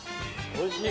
おいしい。